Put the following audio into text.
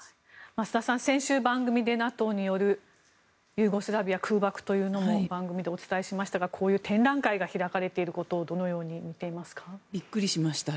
増田さん、先週番組でＮＡＴＯによるユーゴスラビアへの空爆というのも番組でお伝えしましたがこういう展覧会が開かれていることをビックリしました。